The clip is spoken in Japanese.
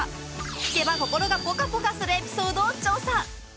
聞けば心がぽかぽかするエピソードを調査。